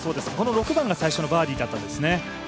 ６番が最初のバーディーだったんですね。